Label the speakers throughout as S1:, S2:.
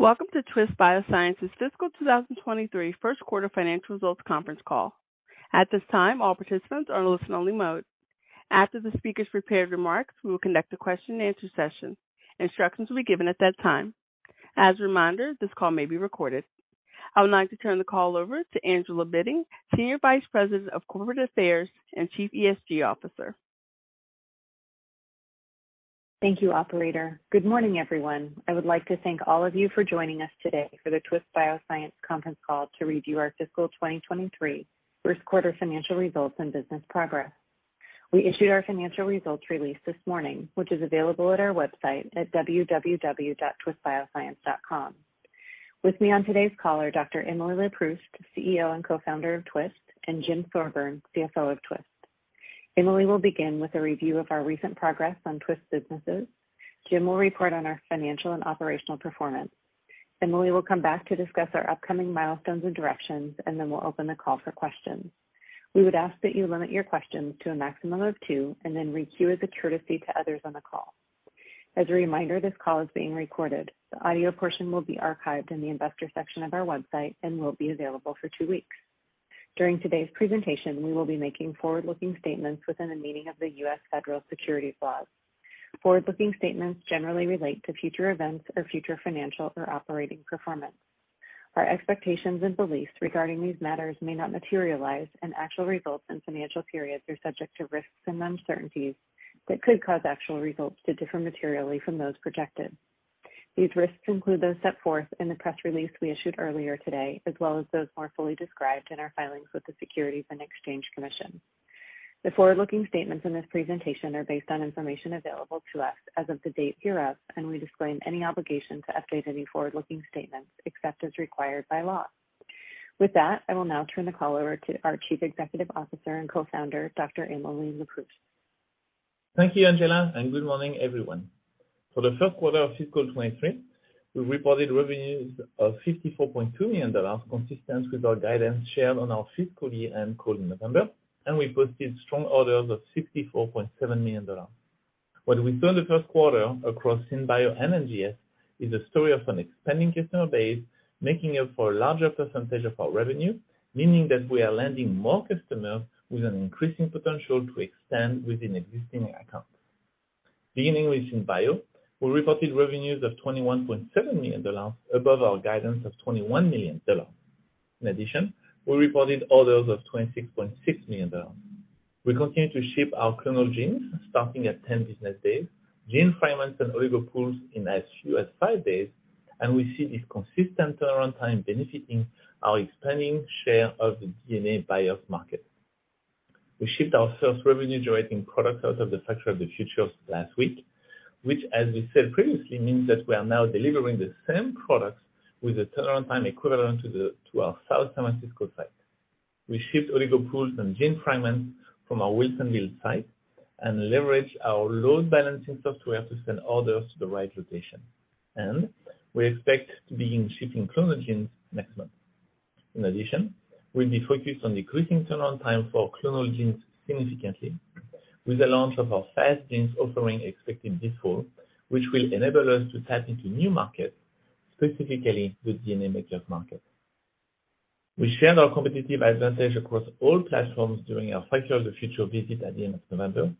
S1: Welcome to Twist Bioscience's fiscal 2023 first quarter financial results conference call. At this time, all participants are in listen only mode. After the speaker's prepared remarks, we will conduct a question and answer session. Instructions will be given at that time. As a reminder, this call may be recorded. I would like to turn the call over to Angela Bitting, Senior Vice President of Corporate Affairs and Chief ESG Officer.
S2: Thank you, operator. Good morning, everyone. I would like to thank all of you for joining us today for the Twist Bioscience conference call to review our fiscal 2023 first quarter financial results and business progress. We issued our financial results release this morning, which is available at our website at www.twistbioscience.com. With me on today's call are Dr. Emily Leproust, CEO and co-founder of Twist, and Jim Thorburn, CFO of Twist. Emily will begin with a review of our recent progress on Twist businesses. Jim will report on our financial and operational performance. Emily will come back to discuss our upcoming milestones and directions, and then we'll open the call for questions. We would ask that you limit your questions to a maximum of 2 and then re-queue as a courtesy to others on the call. As a reminder, this call is being recorded. The audio portion will be archived in the investor section of our website and will be available for two weeks. During today's presentation, we will be making forward-looking statements within the meaning of the U.S. Federal Securities laws. Forward-looking statements generally relate to future events or future financial or operating performance. Our expectations and beliefs regarding these matters may not materialize, and actual results and financial periods are subject to risks and uncertainties that could cause actual results to differ materially from those projected. These risks include those set forth in the press release we issued earlier today, as well as those more fully described in our filings with the Securities and Exchange Commission. The forward-looking statements in this presentation are based on information available to us as of the date hereof, and we disclaim any obligation to update any forward-looking statements except as required by law. With that, I will now turn the call over to our Chief Executive Officer and Co-founder, Dr. Emily Leproust.
S3: Thank you, Angela, and good morning, everyone. For the first quarter of fiscal 2023, we reported revenues of $54.2 million, consistent with our guidance shared on our fiscal year end call in November, and we posted strong orders of $64.7 million. What we saw in the first quarter across SynBio and NGS is a story of an expanding customer base making up for a larger percentage of our revenue, meaning that we are landing more customers with an increasing potential to expand within existing accounts. Beginning with SynBio, we reported revenues of $21.7 million above our guidance of $21 million. In addition, we reported orders of $26.6 million. We continue to ship our Clonal Genes starting at 10 business days, Gene Fragments and Oligo Pools in as few as 5 days. We see this consistent turnaround time benefiting our expanding share of the DNA synthesis market. We shipped our first revenue-generating products out of the Factory of the Future last week, which as we said previously, means that we are now delivering the same products with a turnaround time equivalent to our South San Francisco site. We ship Oligo Pools and Gene Fragments from our Wilsonville site and leverage our load balancing software to send orders to the right location. We expect to begin shipping Clonal Genes next month. We'll be focused on decreasing turnaround time for Clonal Genes significantly with the launch of our Fast Genes offering expected this fall, which will enable us to tap into new markets, specifically the DNA makers market. We shared our competitive advantage across all platforms during our Factory of the Future visit at the end of November.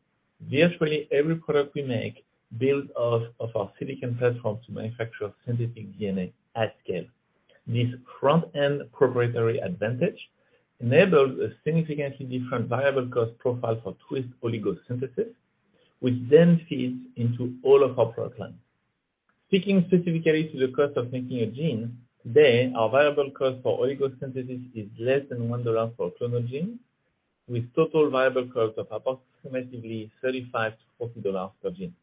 S3: Virtually every product we make builds off our silicon platforms to manufacture synthetic DNA at scale. This front-end proprietary advantage enables a significantly different variable cost profile for Twist oligo synthesis, which then feeds into all of our product lines. Speaking specifically to the cost of making a gene, today our variable cost for oligo synthesis is less than $1 for a Clonal Gene with total variable cost of approximately $35-$40 per gene.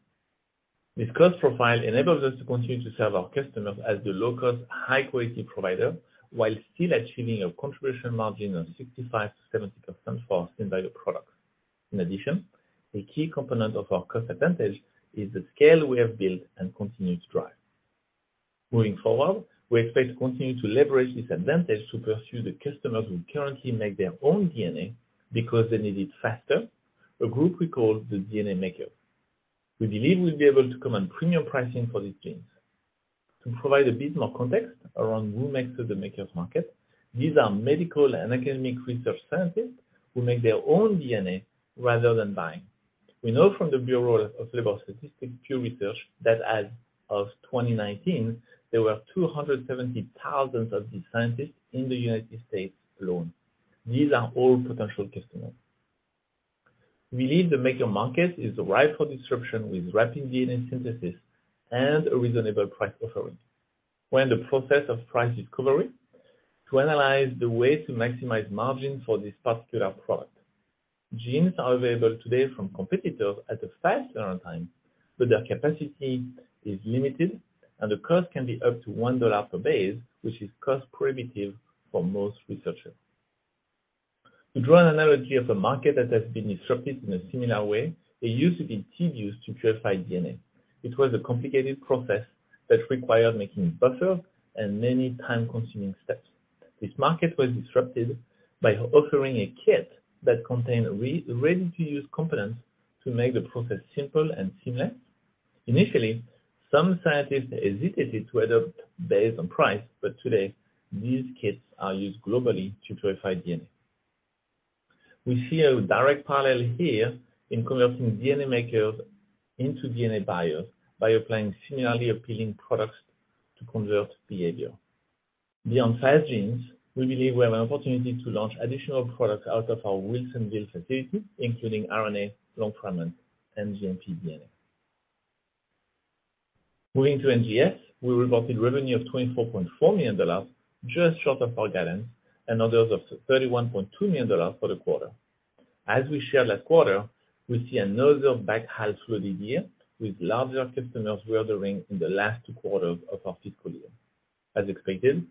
S3: This cost profile enables us to continue to serve our customers as the low-cost, high-quality provider while still achieving a contribution margin of 65%-70% for our SynBio products. A key component of our cost advantage is the scale we have built and continue to drive. Moving forward, we expect to continue to leverage this advantage to pursue the customers who currently make their own DNA because they need it faster, a group we call the DNA Maker. We believe we'll be able to command premium pricing for these genes. To provide a bit more context around who makes the makers market, these are medical and academic research scientists who make their own DNA rather than buying. We know from the Bureau of Labor Statistics pure research that as of 2019, there were 270,000 of these scientists in the United States alone. These are all potential customers. We believe the maker market is ripe for disruption with rapid DNA synthesis and a reasonable price offering. We're in the process of price discovery to analyze the way to maximize margin for this particular product. Genes are available today from competitors at a fast turnaround time. Their capacity is limited and the cost can be up to $1 per base, which is cost prohibitive for most researchers. To draw an analogy of a market that has been disrupted in a similar way, it used to be tedious to purify DNA. It was a complicated process that required making buffers and many time-consuming steps. This market was disrupted by offering a kit that contained re-ready-to-use components to make the process simple and seamless. Initially, some scientists hesitated to adopt based on price, but today these kits are used globally to purify DNA. We see a direct parallel here in converting DNA makers into DNA buyers by applying similarly appealing products to convert behavior. Beyond SAGE genes, we believe we have an opportunity to launch additional products out of our Wilsonville facility, including RNA, long fragment, and GMP DNA. Moving to NGS, we reported revenue of $24.4 million, just short of our guidance, and others of $31.2 million for the quarter. As we shared last quarter, we see another back half loaded year with larger customers reordering in the last two quarters of our fiscal year. As expected,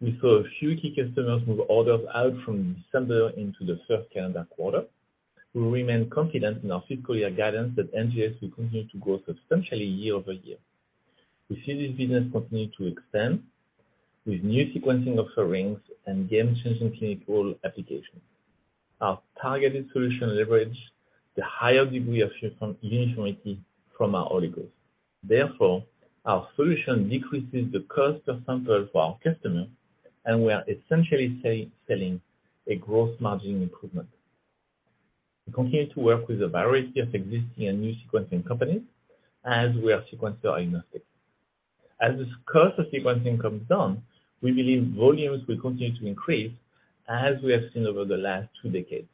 S3: we saw a few key customers move orders out from December into the first calendar quarter. We remain confident in our fiscal year guidance that NGS will continue to grow substantially year-over-year. We see this business continue to expand with new sequencing offerings and game-changing clinical applications. Our targeted solution leverage the higher degree of uniformity from our oligos. Therefore, our solution decreases the cost of samples for our customers, and we are essentially selling a growth margin improvement. We continue to work with a variety of existing and new sequencing companies as we are sequencer agnostic. As this cost of sequencing comes down, we believe volumes will continue to increase as we have seen over the last two decades.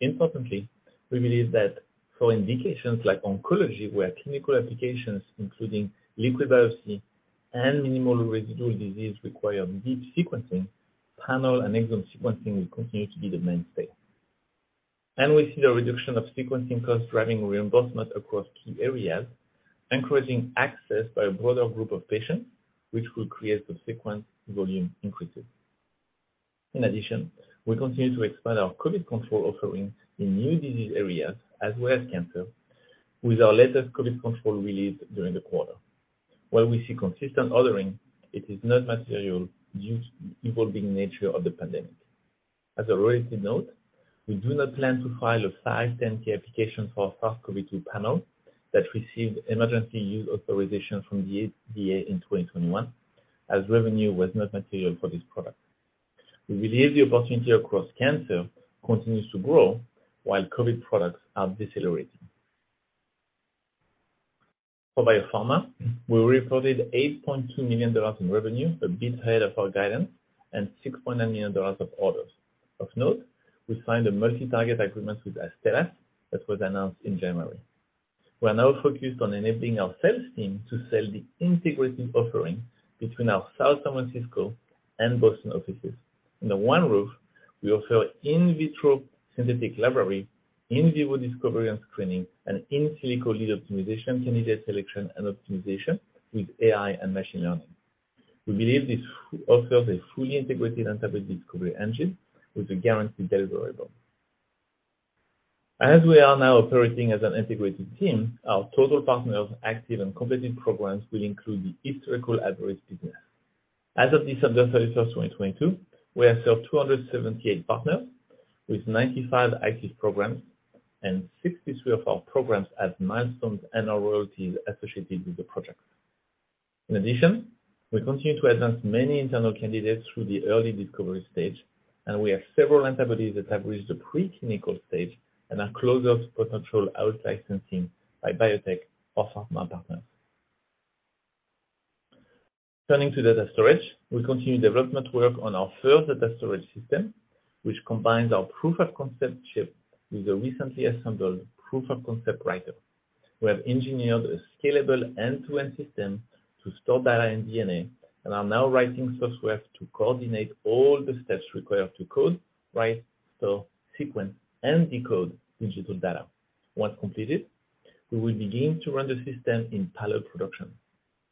S3: Importantly, we believe that for indications like oncology, where clinical applications, including liquid biopsy and minimal residual disease require deep sequencing, panel and exome sequencing will continue to be the mainstay. We see the reduction of sequencing costs driving reimbursement across key areas, increasing access by a broader group of patients, which will create subsequent volume increases. In addition, we continue to expand our COVID control offerings in new disease areas as well as cancer, with our latest COVID control released during the quarter. While we see consistent ordering, it is not material due to the evolving nature of the pandemic. As I already did note, we do not plan to file a 510K application for our SARS-CoV-2 panel that received emergency use authorization from the FDA in 2021 as revenue was not material for this product. We believe the opportunity across cancer continues to grow while COVID products are decelerating. For biopharma, we reported $8.2 million in revenue, a bit ahead of our guidance, and $6.9 million of orders. Of note, we signed a multi-target agreement with Astellas that was announced in January. We are now focused on enabling our sales team to sell the integrated offering between our San Francisco and Boston offices. Under one roof, we offer in vitro synthetic library, in vivo discovery and screening, and in silico lead optimization, candidate selection, and optimization with AI and machine learning. We believe this offers a fully integrated antibody discovery engine with a guaranteed deliverable. As we are now operating as an integrated team, our total partners active in competitive programs will include the historical Abveris business. As of December 31st, 2022, we have served 278 partners with 95 active programs and 63 of our programs have milestones and/or royalties associated with the project. We continue to advance many internal candidates through the early discovery stage, and we have several antibodies that have reached the preclinical stage and are close of potential out-licensing by biotech or pharma partners. We continue development work on our third data storage system, which combines our proof of concept chip with a recently assembled proof of concept writer. We have engineered a scalable end-to-end system to store data in DNA and are now writing software to coordinate all the steps required to code, write, store, sequence, and decode digital data. We will begin to run the system in pilot production.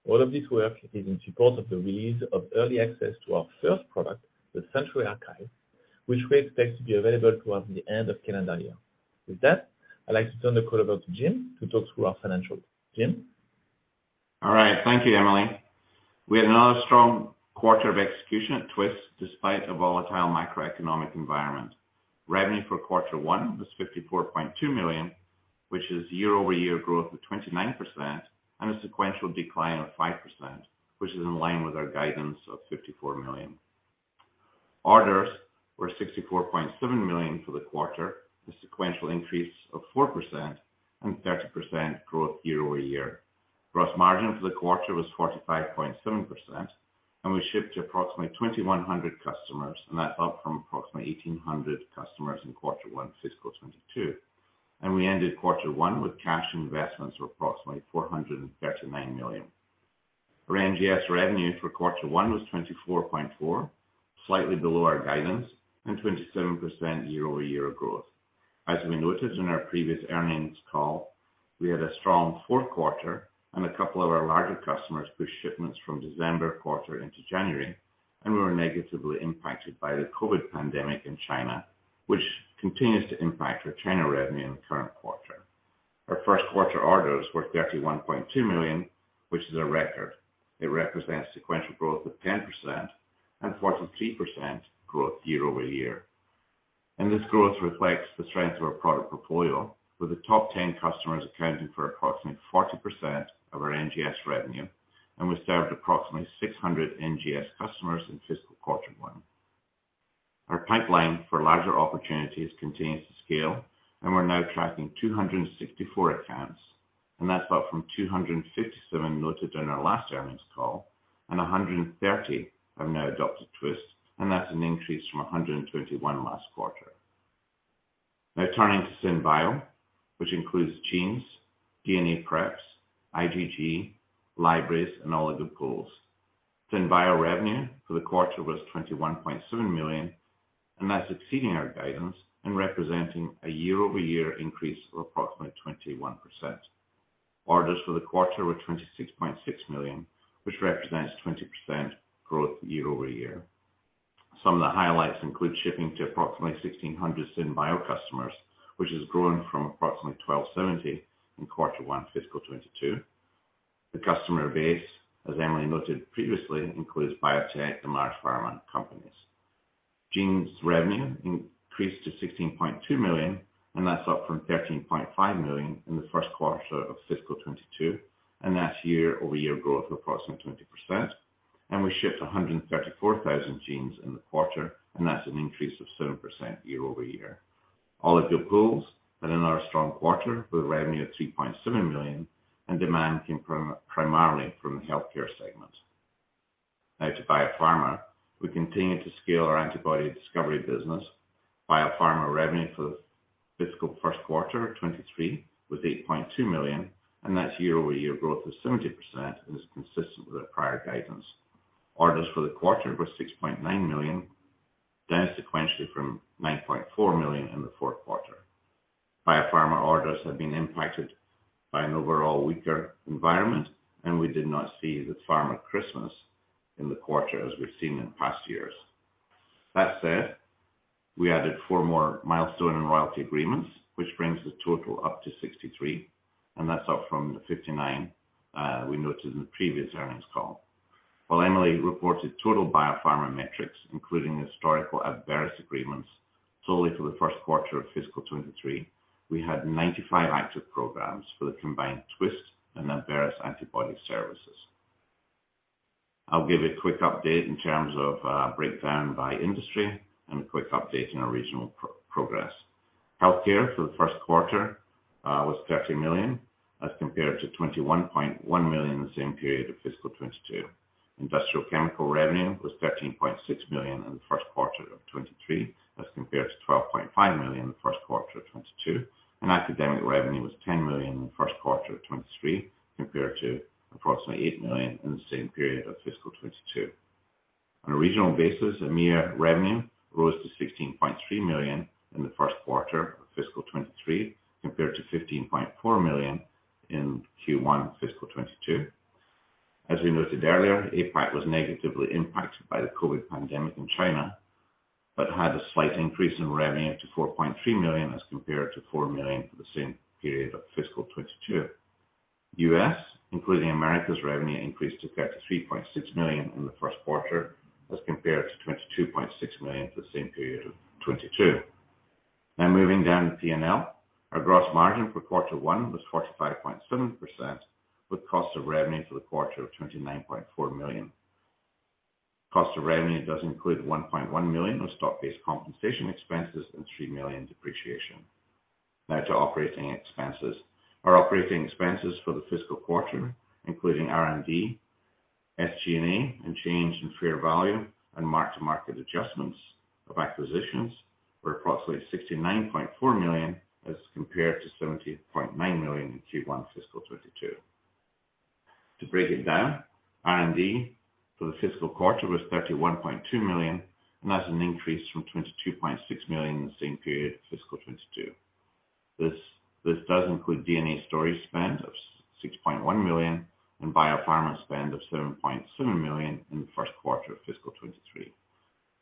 S3: All of this work is in support of the release of early access to our first product, the Century Archive, which we expect to be available towards the end of calendar year. I'd like to turn the call over to Jim to talk through our financials. Jim?
S4: All right. Thank you, Emily. We had another strong quarter of execution at Twist despite a volatile macroeconomic environment. Revenue for quarter one was $54.2 million, which is year-over-year growth of 29% and a sequential decline of 5%, which is in line with our guidance of $54 million. Orders were $64.7 million for the quarter, a sequential increase of 4% and 30% growth year-over-year. Gross margin for the quarter was 45.7%, and we shipped to approximately 2,100 customers, and that's up from approximately 1,800 customers in quarter one fiscal 2022. We ended quarter one with cash investments of approximately $439 million. Our NGS revenue for quarter one was $24.4 million, slightly below our guidance and 27% year-over-year growth. As we noted in our previous earnings call, we had a strong fourth quarter and a couple of our larger customers pushed shipments from December quarter into January, and we were negatively impacted by the COVID pandemic in China, which continues to impact our China revenue in the current quarter. Our first quarter orders were $31.2 million, which is a record. It represents sequential growth of 10% and 43% growth year-over-year. This growth reflects the strength of our product portfolio, with the top 10 customers accounting for approximately 40% of our NGS revenue, and we served approximately 600 NGS customers in fiscal quarter one. Our pipeline for larger opportunities continues to scale, we're now tracking 264 accounts, that's up from 257 noted in our last earnings call, 130 have now adopted Twist, that's an increase from 121 last quarter. Turning to SynBio, which includes genes, DNA Preps, IgG, libraries, and Oligo Pools. SynBio revenue for the quarter was $21.7 million, that's exceeding our guidance and representing a year-over-year increase of approximately 21%. Orders for the quarter were $26.6 million, which represents 20% growth year-over-year. Some of the highlights include shipping to approximately 1,600 SynBio customers, which has grown from approximately 1,270 in Q1 fiscal 2022. The customer base, as Emily noted previously, includes biotech and large pharma companies. Genes revenue increased to $16.2 million, that's up from $13.5 million in the first quarter of fiscal 2022, and that's year-over-year growth of approximately 20%. We shipped 134,000 genes in the quarter, and that's an increase of 7% year-over-year. Oligo Pools had another strong quarter with revenue of $3.7 million, and demand came primarily from the healthcare segment. Now to Biopharma. We continue to scale our antibody discovery business. Biopharma revenue for the fiscal first quarter 2023 was $8.2 million, and that's year-over-year growth of 70% and is consistent with our prior guidance. Orders for the quarter were $6.9 million, down sequentially from $9.4 million in the fourth quarter. Biopharma orders have been impacted by an overall weaker environment. We did not see the pharma Christmas in the quarter as we've seen in past years. That said, we added 4 more milestone and royalty agreements, which brings the total up to 63, and that's up from the 59 we noted in the previous earnings call. While Emily reported total biopharma metrics, including historical Abveris agreements, solely for the first quarter of fiscal 2023, we had 95 active programs for the combined Twist and Abveris antibody services. I'll give a quick update in terms of breakdown by industry and a quick update on our regional progress. Healthcare for the first quarter was $30 million as compared to $21.1 million in the same period of fiscal 2022. Industrial chemical revenue was $13.6 million in the first quarter of 2023 as compared to $12.5 million in the first quarter of 2022. Academic revenue was $10 million in the first quarter of 2023, compared to approximately $8 million in the same period of fiscal 2022. On a regional basis, EMEA revenue rose to $16.3 million in the first quarter of fiscal 2023, compared to $15.4 million in Q1 fiscal 2022. As we noted earlier, APAC was negatively impacted by the COVID pandemic in China, but had a slight increase in revenue to $4.3 million as compared to $4 million for the same period of fiscal 2022. U.S., including America's revenue, increased to $33.6 million in the first quarter as compared to $22.6 million for the same period of 2022. Moving down to P&L. Our gross margin for Q1 was 45.7% with cost of revenue for the quarter of $29.4 million. Cost of revenue does include $1.1 million of stock-based compensation expenses and $3 million depreciation. Now to operating expenses. Our operating expenses for the fiscal quarter, including R&D, SG&A, and change in fair value and mark-to-market adjustments of acquisitions, were approximately $69.4 million as compared to $70.9 million in Q1 fiscal 2022. To break it down, R&D for the fiscal quarter was $31.2 million, and that's an increase from $22.6 million in the same period of fiscal 2022. This does include DNA storage spend of $6.1 million and Biopharma spend of $7.7 million in Q1 fiscal 2023.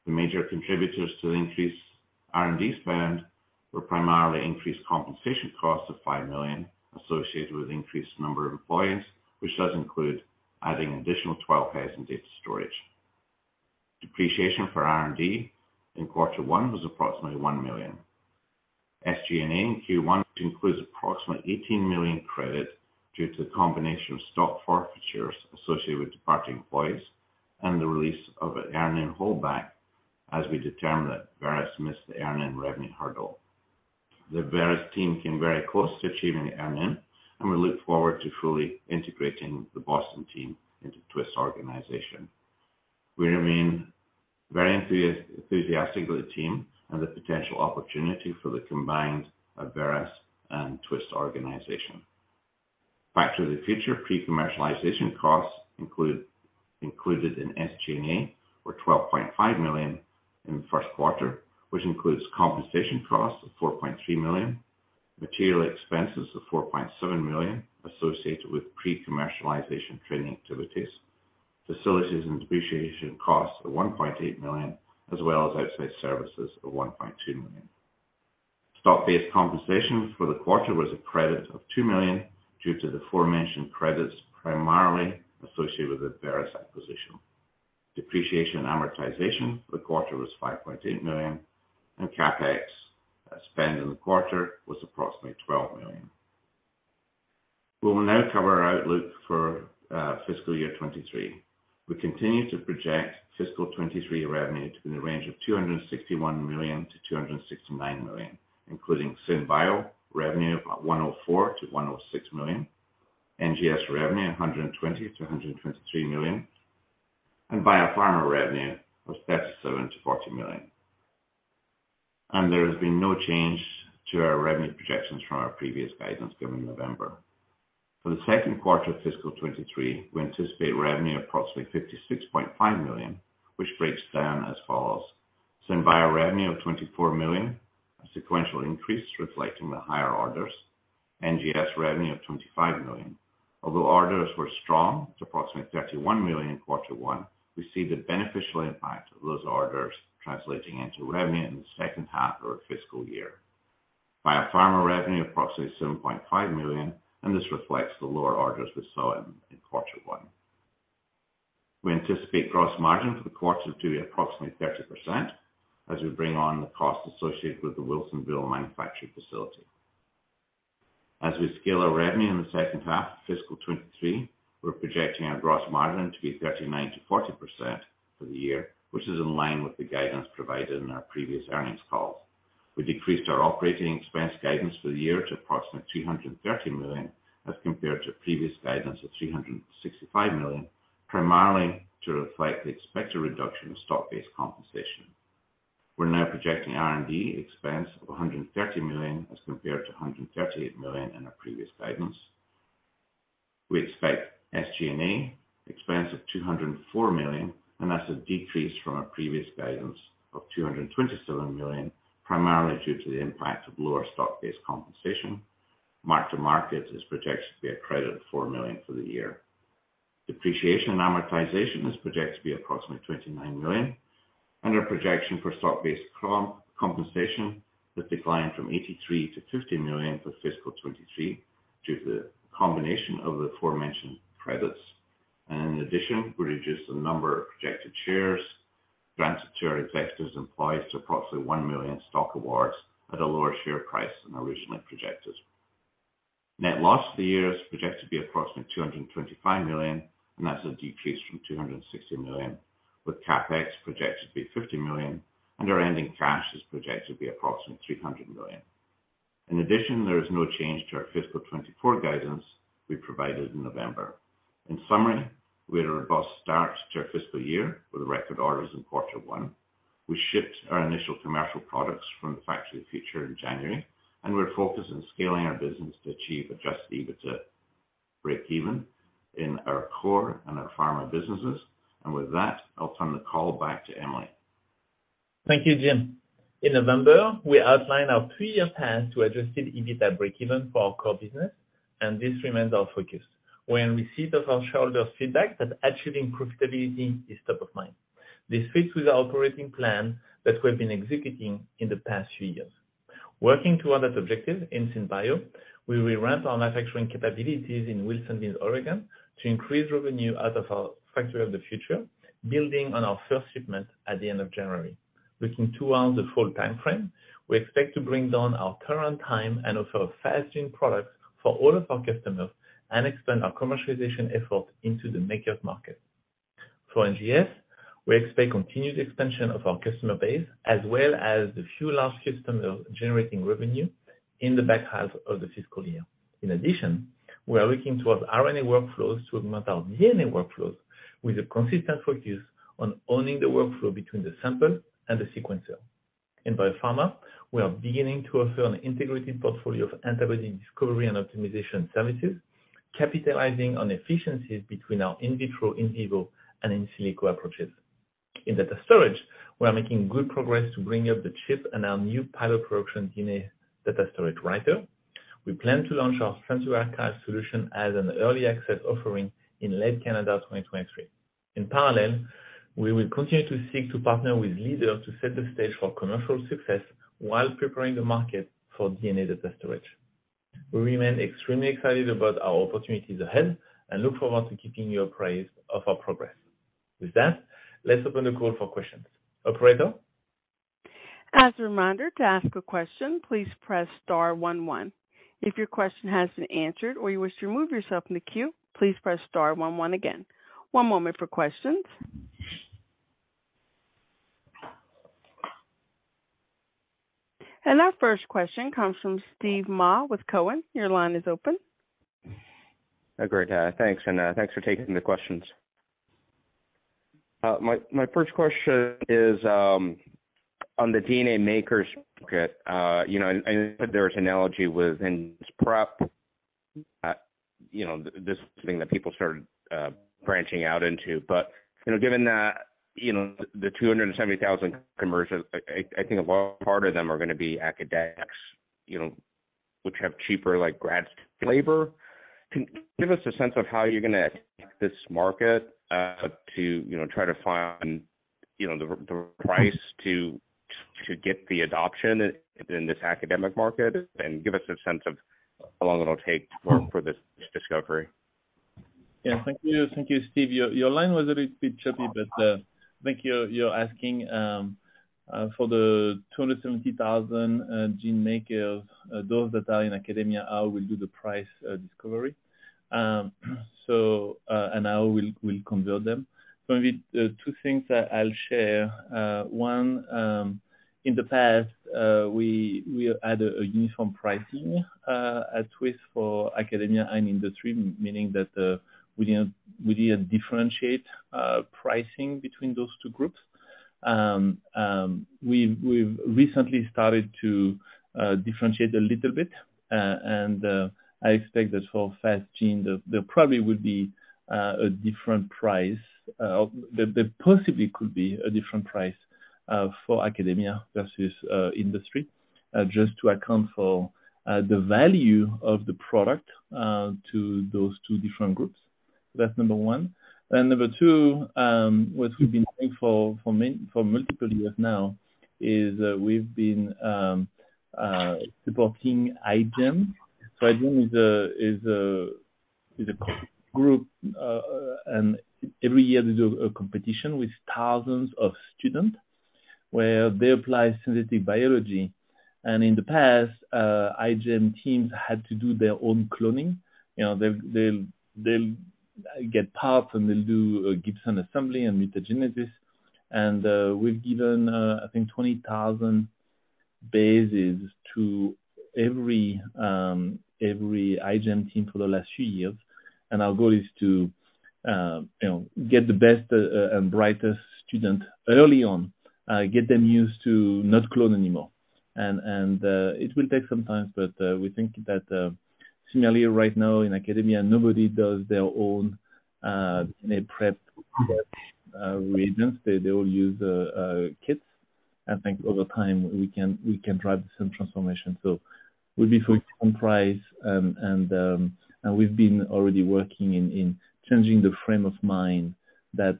S4: The major contributors to the increased R&D spend were primarily increased compensation costs of $5 million associated with increased number of employees, which does include adding an additional 12,000 data storage. Depreciation for R&D in Q1 was approximately $1 million. SG&A in Q1 includes approximately $18 million credit due to the combination of stock forfeitures associated with departing employees and the release of an earn-in holdback as we determine that Abveris missed the earn-in revenue hurdle. The Abveris team came very close to achieving the earn-in, and we look forward to fully integrating the Boston team into Twist organization. We remain very enthusiastic with the team and the potential opportunity for the combined Abveris and Twist organization. Factory of the Future pre-commercialization costs included in SG&A were $12.5 million in the first quarter, which includes compensation costs of $4.3 million, material expenses of $4.7 million associated with pre-commercialization training activities. Facilities and depreciation costs of $1.8 million, as well as outside services of $1.2 million. Stock-based compensation for the quarter was a credit of $2 million due to the aforementioned credits primarily associated with the Abveris acquisition. Depreciation and amortization for the quarter was $5.8 million, and CapEx spend in the quarter was approximately $12 million. We will now cover our outlook for fiscal year 2023. We continue to project fiscal 23 revenue to be in the range of $261 million-$269 million, including SynBio revenue of $104 million-$106 million, NGS revenue of $120 million-$123 million, and Biopharma revenue of $37 million-$40 million. There has been no change to our revenue projections from our previous guidance given in November. For the second quarter of fiscal 23, we anticipate revenue of approximately $56.5 million, which breaks down as follows: SynBio revenue of $24 million, a sequential increase reflecting the higher orders. NGS revenue of $25 million. Although orders were strong at approximately $31 million in quarter 1, we see the beneficial impact of those orders translating into revenue in the second half of our fiscal year. Biopharma revenue approximately $7.5 million. This reflects the lower orders we saw in quarter one. We anticipate gross margin for the quarter to be approximately 30% as we bring on the costs associated with the Wilsonville manufacturing facility. As we scale our revenue in the second half of fiscal 2023, we're projecting our gross margin to be 39%-40% for the year, which is in line with the guidance provided in our previous earnings calls. We decreased our OpEx guidance for the year to approximately $330 million as compared to previous guidance of $365 million, primarily to reflect the expected reduction in stock-based compensation. We're now projecting R&D expense of $130 million as compared to $138 million in our previous guidance. We expect SG&A expense of $204 million, that's a decrease from our previous guidance of $227 million, primarily due to the impact of lower stock-based compensation. Mark-to-market is projected to be a credit of $4 million for the year. Depreciation and amortization is projected to be approximately $29 million. Our projection for stock-based compensation has declined from $83 million to $50 million for fiscal 2023 due to the combination of the aforementioned credits. In addition, we reduced the number of projected shares granted to our executives and employees to approximately 1 million stock awards at a lower share price than originally projected. Net loss for the year is projected to be approximately $225 million, and that's a decrease from $260 million, with CapEx projected to be $50 million, and our ending cash is projected to be approximately $300 million. In addition, there is no change to our fiscal 2024 guidance we provided in November. In summary, we had a robust start to our fiscal year with record orders in quarter one. We shipped our initial commercial products from the Factory of the Future in January, and we're focused on scaling our business to achieve adjusted EBITDA breakeven in our core and our pharma businesses. With that, I'll turn the call back to Emily.
S3: Thank you, Jim. In November, we outlined our 3-year plan to adjusted EBITDA breakeven for our core business. This remains our focus. We are in receipt of our shareholders' feedback that achieving profitability is top of mind. This fits with our operating plan that we've been executing in the past few years. Working toward that objective in SynBio, we will ramp our manufacturing capabilities in Wilsonville, Oregon, to increase revenue out of our Factory of the Future, building on our first shipment at the end of January. Within 2 years of the full timeframe, we expect to bring down our current time and offer Fast Genes products for all of our customers. Expand our commercialization effort into the DNA makers market. For NGS, we expect continued expansion of our customer base as well as the few large systems of generating revenue in the back half of the fiscal year. In addition, we are looking towards RNA workflows to augment our DNA workflows with a consistent focus on owning the workflow between the sample and the sequencer. In Biopharma, we are beginning to offer an integrated portfolio of antibody discovery and optimization services, capitalizing on efficiencies between our in vitro, in vivo, and in silico approaches. In data storage, we are making good progress to bring up the chip and our new pilot production unit data storage writer. We plan to launch our Century Archive solution as an early access offering in late 2023. In parallel, we will continue to seek to partner with leaders to set the stage for commercial success while preparing the market for DNA data storage. We remain extremely excited about our opportunities ahead and look forward to keeping you appraised of our progress. With that, let's open the call for questions. Operator?
S1: As a reminder, to ask a question, please press star 11. If your question has been answered or you wish to remove yourself from the queue, please press star 11 again. One moment for questions. Our first question comes from Steven Mah with Cowen. Your line is open.
S5: Great. Thanks, and thanks for taking the questions. My first question is on the DNA makers market. You know, and there was analogy with prep, you know, this thing that people started branching out into. Given that, you know, the 270,000 commercials, I think a large part of them are gonna be academics, you know, which have cheaper like grads flavor. Can give us a sense of how you're gonna this market, to, you know, try to find, you know, the price to get the adoption in this academic market and give us a sense of how long it'll take for this discovery?
S3: Yeah. Thank you. Thank you, Steve. Your line was a little bit choppy, but I think you're asking for the 270,000 gene makers, those that are in academia, how we'll do the price discovery. How we'll convert them. Maybe two things that I'll share. One, in the past, we had a uniform pricing at Twist for academia and industry, meaning that we didn't differentiate pricing between those two groups. We've recently started to differentiate a little bit, and I expect that for Fast Gene, there probably would be a different price, there possibly could be a different price for academia versus industry, just to account for the value of the product to those two different groups. That's number one. Number two, what we've been doing for multiple years now is we've been supporting iGEM. iGEM is a group, and every year they do a competition with thousands of students where they apply synthetic biology. In the past, iGEM teams had to do their own cloning. You know, they'll get parts, and they'll do a Gibson Assembly and mutagenesis. We've given, I think 20,000 bases to every iGEM team for the last few years. Our goal is to, you know, get the best and brightest student early on, get them used to not clone anymore. It will take some time, we think that, similarly right now in academia, nobody does their own DNA prep reagents. They all use kits. I think over time we can drive some transformation. We'll be full on price. We've been already working in changing the frame of mind that,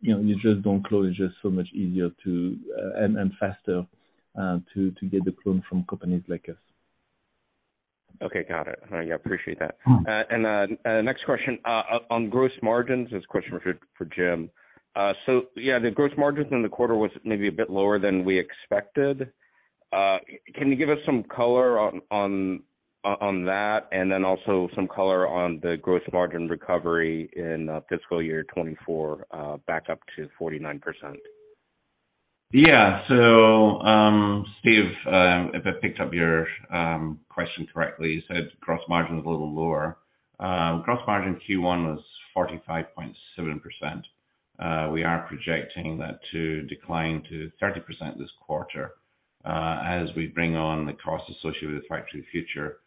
S3: you know, you just don't clone. It's just so much easier to and faster to get the clone from companies like us.
S5: Okay. Got it. Yeah, appreciate that.
S3: Hmm.
S5: Next question on gross margins. This question is for Jim. Yeah, the gross margins in the quarter was maybe a bit lower than we expected. Can you give us some color on that and then also some color on the gross margin recovery in fiscal year 2024 back up to 49%?
S4: Steve, if I picked up your question correctly, you said gross margin is a little lower. Gross margin Q1 was 45.7%. We are projecting that to decline to 30% this quarter, as we bring on the costs associated with Factory of the Future.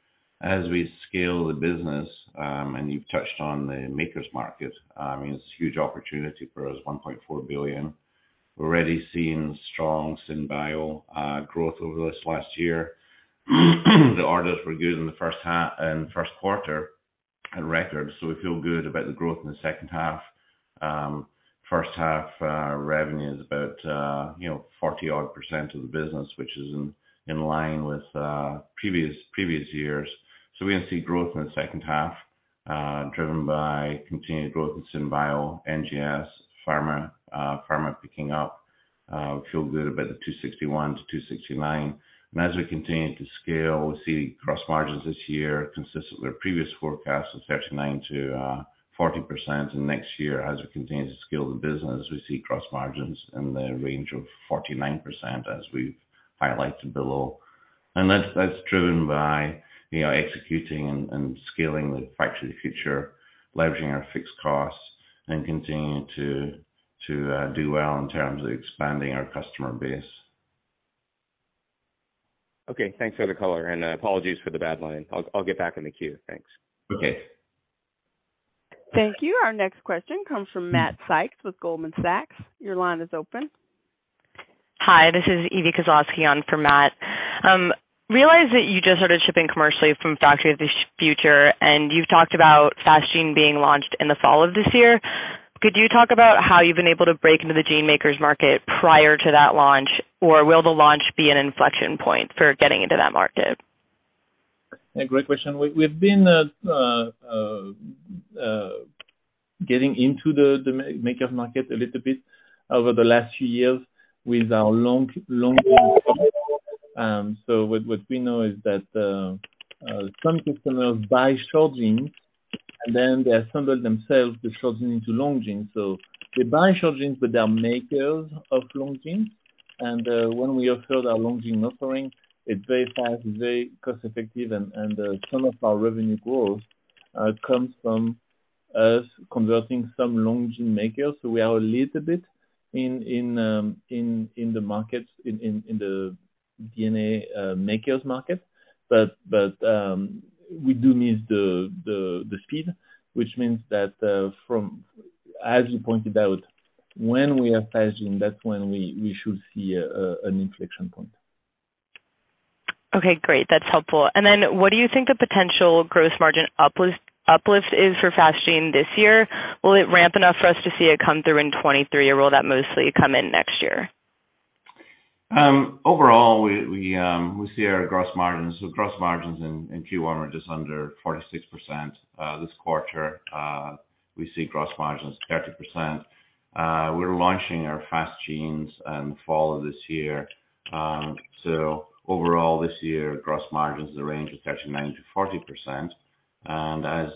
S4: As we scale the business, and you've touched on the makers market, it's a huge opportunity for us, $1.4 billion. We're already seeing strong SynBio growth over this last year. The orders were good in the first quarter and records, so we feel good about the growth in the second half. First half revenue is about, you know, 40 odd percent of the business, which is in line with previous years. We're going to see growth in the second half, driven by continued growth in SynBio, NGS, pharma picking up. We feel good about the $261-$269. As we continue to scale, we're seeing gross margins this year consistent with our previous forecast of 39%-40%. Next year as we continue to scale the business, we see gross margins in the range of 49%, as we've highlighted below. That's driven by, you know, executing and scaling the Factory of the Future, leveraging our fixed costs and continuing to do well in terms of expanding our customer base.
S5: Okay. Thanks for the color and apologies for the bad line. I'll get back in the queue. Thanks.
S4: Okay.
S1: Thank you. Our next question comes from Matthew Sykes with Goldman Sachs. Your line is open.
S6: Hi, this is Eve Kozhevnikov on for Matt. realize that you just started shipping commercially from Factory of the Future, and you've talked about Fast Gene being launched in the fall of this year. Could you talk about how you've been able to break into the gene makers market prior to that launch, or will the launch be an inflection point for getting into that market?
S3: Yeah, great question. We've been getting into the maker market a little bit over the last few years. What we know is that some customers buy short genes, and then they assemble themselves the short gene into long gene. They buy short genes, but they are makers of long gene. When we offer our long gene offering, it's very fast, very cost effective, and some of our revenue growth comes from us converting some long gene makers. We are a little bit in the DNA makers market. We do miss the speed, which means that, as you pointed out, when we have Fast Gene, that's when we should see an inflection point.
S6: Okay, great. That's helpful. What do you think the potential gross margin uplift is for Fast Gene this year? Will it ramp enough for us to see it come through in 2023, or will that mostly come in next year?
S3: Overall we see our gross margins, the gross margins in Q1 were just under 46%. This quarter, we see gross margins 30%. We're launching our Fast Genes in fall of this year. Overall this year gross margins in the range of 39%-40%. As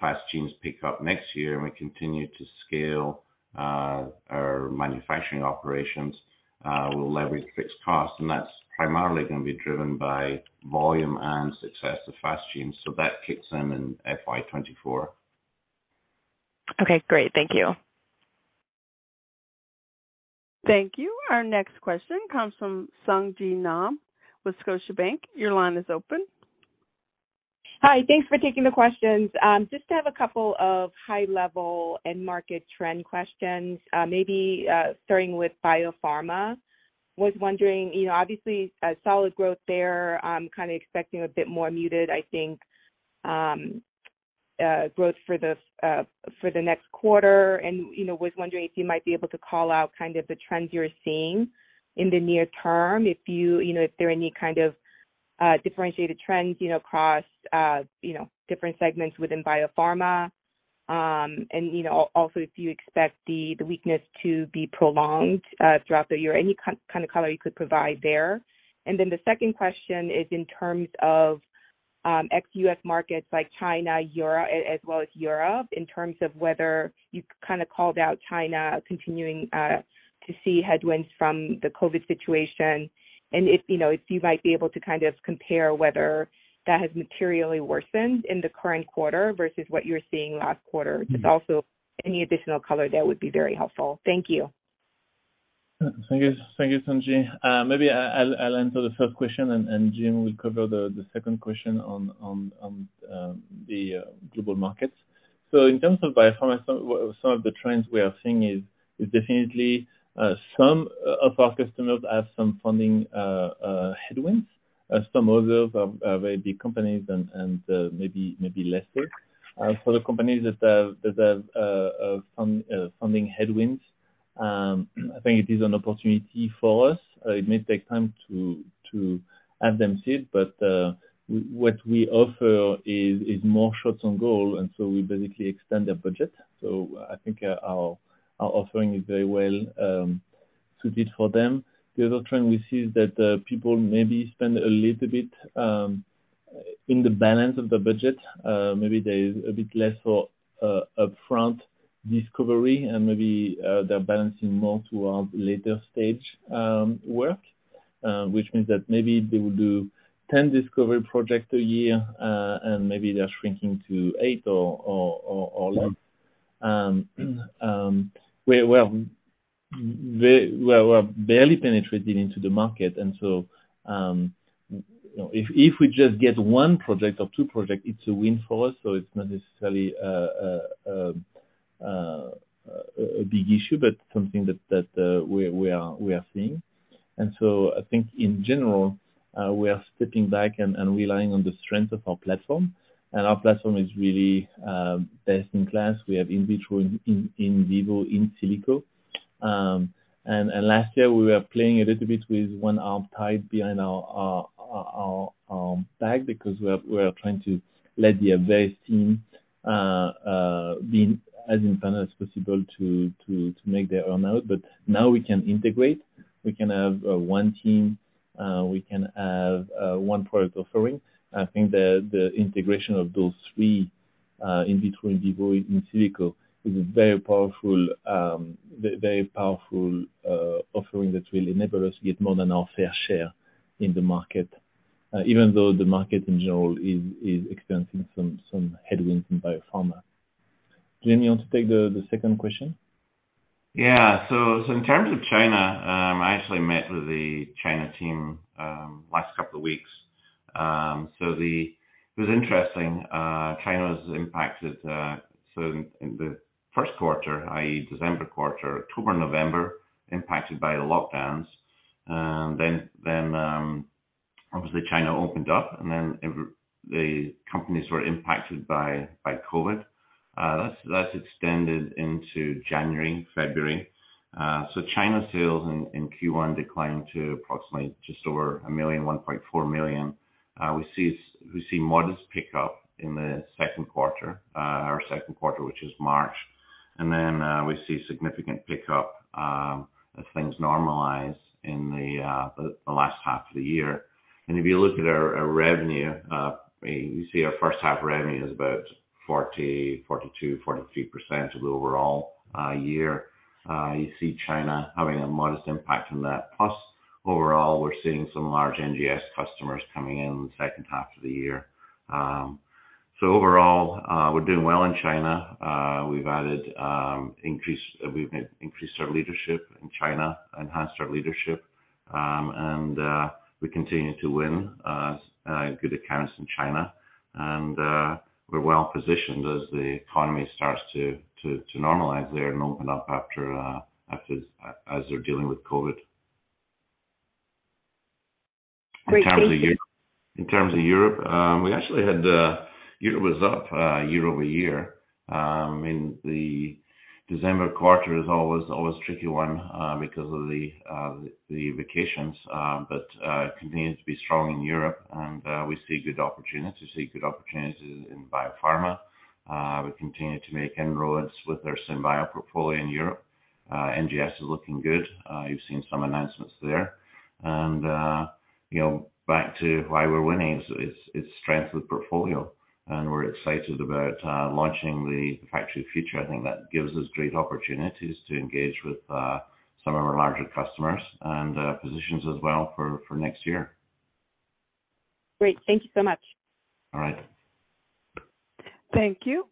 S3: Fast Genes pick up next year and we continue to scale our manufacturing operations, we'll leverage fixed costs, and that's primarily gonna be driven by volume and success of Fast Genes. That kicks in in FY 2024.
S6: Okay, great. Thank you.
S1: Thank you. Our next question comes from Sung Ji Nam with Scotiabank. Your line is open.
S7: Hi. Thanks for taking the questions. Just have a couple of high level end market trend questions. Maybe, starting with biopharma. Was wondering, you know, obviously a solid growth there, I'm kind of expecting a bit more muted, I think, growth for the next quarter. You know, was wondering if you might be able to call out kind of the trends you're seeing in the near term, if you know, if there are any kind of differentiated trends, you know, across, you know, different segments within biopharma. You know, also if you expect the weakness to be prolonged throughout the year, any kind of color you could provide there. The second question is in terms of ex-U.S. markets like China, Europe, in terms of whether you kind of called out China continuing to see headwinds from the COVID situation. If, you know, if you might be able to kind of compare whether that has materially worsened in the current quarter versus what you were seeing last quarter. Just also any additional color there would be very helpful. Thank you.
S3: Thank you. Thank you, Sung Ji. Maybe I'll answer the first question, and Jim will cover the second question on the global markets. In terms of biopharma, some of the trends we are seeing is definitely, some of our customers have some funding headwinds. Some others are very big companies and, maybe less so. For the companies that have funding headwinds, I think it is an opportunity for us. It may take time to have them see it, but what we offer is more shots on goal, and so we basically extend their budget. I think our offering is very well suited for them. The other trend we see is that people maybe spend a little bit in the balance of the budget, maybe there is a bit less for upfront discovery and maybe they're balancing more towards later stage work, which means that maybe they will do 10 discovery projects a year, and maybe they're shrinking to eight or less. We're barely penetrating into the market and so, you know, if we just get one project or two project, it's a win for us, so it's not necessarily a big issue, but something that we are seeing. I think in general, we are stepping back and relying on the strength of our platform. Our platform is really best in class. We have in vitro, in vivo, in silico. Last year we were playing a little bit with one arm tied behind our back because we're trying to let the Abveris team be as independent as possible to make their earn out. Now we can integrate, we can have one team, we can have one product offering. I think the integration of those three, in vitro, in vivo, in silico, is a very powerful, very powerful offering that will enable us to get more than our fair share in the market, even though the market in general is experiencing some headwinds in biopharma. Jim, you want to take the second question?
S4: In terms of China, I actually met with the China team last couple of weeks. It was interesting, China was impacted in the first quarter, i.e., December quarter, October, November, impacted by the lockdowns. Obviously China opened up, and the companies were impacted by COVID. That extended into January and February. China sales in Q1 declined to approximately just over $1 million, $1.4 million. We see modest pickup in the second quarter, our second quarter, which is March. We see significant pickup as things normalize in the last half of the year. If you look at our revenue, you see our first half revenue is about 40%, 42%, 43% of the overall year. You see China having a modest impact on that. Plus, overall, we're seeing some large NGS customers coming in in the second half of the year. Overall, we're doing well in China. We've increased our leadership in China, enhanced our leadership. We continue to win good accounts in China, and we're well-positioned as the economy starts to normalize there and open up after as they're dealing with COVID.
S7: Great, thank you.
S4: In terms of Europe, we actually had Europe was up year-over-year. In the December quarter is always a tricky one because of the vacations, but continues to be strong in Europe, and we see good opportunities. We see good opportunities in biopharma. We continue to make inroads with our SynBio portfolio in Europe. NGS is looking good. You've seen some announcements there. You know, back to why we're winning is its strength with portfolio. We're excited about launching the Factory of the Future. I think that gives us great opportunities to engage with some of our larger customers and positions as well for next year.
S7: Great. Thank you so much.
S4: All right.
S1: Thank you.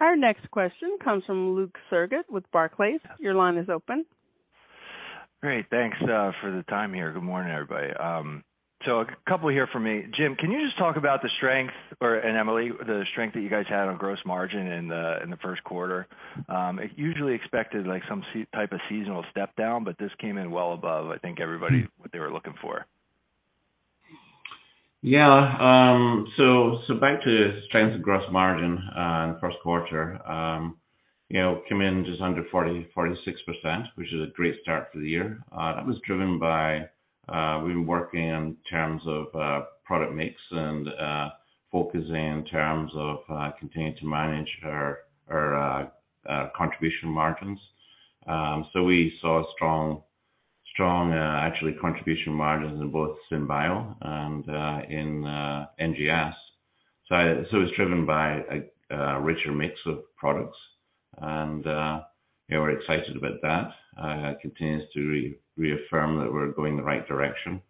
S1: Our next question comes from Luke Sergott with Barclays. Your line is open.
S8: Great. Thanks for the time here. Good morning, everybody. A couple here from me. Jim, can you just talk about the strength or and Emily, the strength that you guys had on gross margin in the first quarter? Usually expected, like, some type of seasonal step down, but this came in well above, I think everybody, what they were looking for.
S4: Yeah. Back to strength of gross margin in the first quarter. You know, came in just under 40%, 46%, which is a great start for the year. That was driven by we've been working in terms of product mix and focusing in terms of continuing to manage our contribution margins. We saw strong actually contribution margins in both SynBio and in NGS. It's driven by a richer mix of products, yeah, we're excited about that. It continues to reaffirm that we're going the right direction.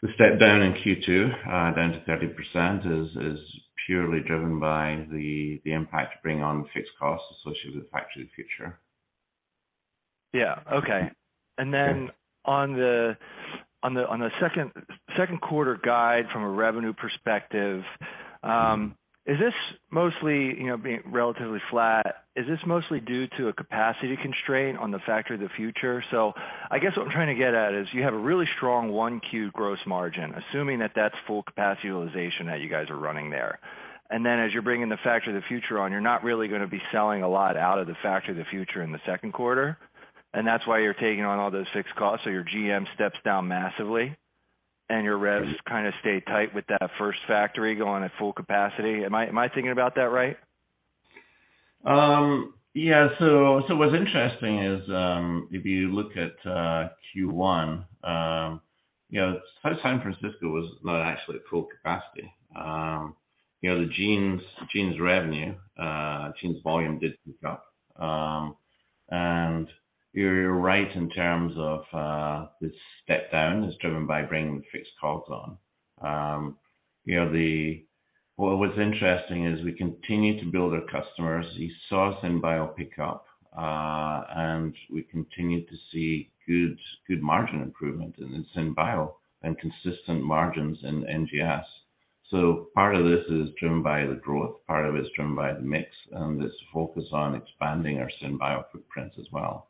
S4: The step down in Q2 down to 30% is purely driven by the impact to bring on fixed costs associated with Factory of the Future.
S8: Yeah. Okay. Then on the second quarter guide from a revenue perspective, you know, being relatively flat, is this mostly due to a capacity constraint on the Factory of the Future? I guess what I'm trying to get at is you have a really strong 1Q gross margin, assuming that that's full capacity utilization that you guys are running there. Then as you're bringing the Factory of the Future on, you're not really gonna be selling a lot out of the Factory of the Future in the second quarter. That's why you're taking on all those fixed costs, so your GM steps down massively and your revs kind of stay tight with that first factory going at full capacity. Am I thinking about that right?
S4: What's interesting is, if you look at Q1, you know, San Francisco was not actually at full capacity. You know, the genes revenue, genes volume did pick up. You're right in terms of, this step down is driven by bringing the fixed costs on. Well, what's interesting is we continue to build our customers. You saw SynBio pick up, and we continue to see good margin improvement in SynBio and consistent margins in NGS. Part of this is driven by the growth, part of it is driven by the mix and this focus on expanding our SynBio footprints as well.